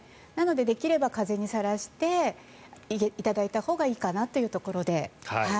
できれば風にさらしていただいたほうがいいかなというところで。